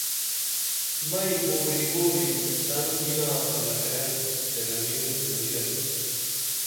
مئیں گوری گوری دن ینا پلکئین کیہ گنیم کو نی گنیم